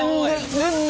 全然！